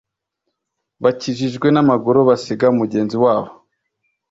bakijijwe n’amaguru basiga mugenzi wabo